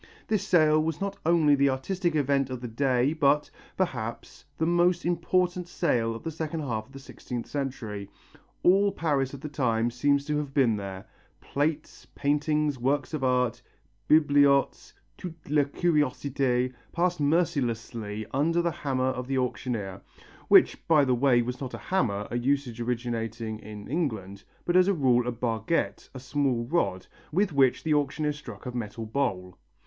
This sale was not only the artistic event of the day but, perhaps, the most important sale of the second half of the sixteenth century. All Paris of the time seems to have been there. Plates, paintings, works of art, bibelots, toute la curiosité, passed mercilessly under the hammer of the auctioneer which by the way was not a hammer, a usage originating in England, but as a rule a barguette, a small rod, with which the auctioneer struck a metal bowl.